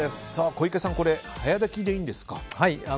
小池さん、早炊きでいいんですか。